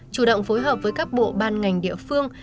chủ động phối hợp với các bộ ban ngành địa phương